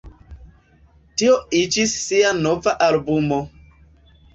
Tio iĝis ŝia nova albumo.